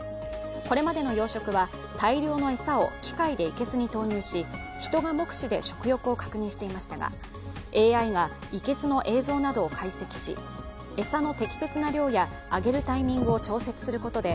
これまでの養殖は大量の餌を機械で生けすに投入し人が目視で食欲を確認していましたが、ＡＩが生けすの映像などを解析し、餌の適切な量やあげるタイミングを調節することで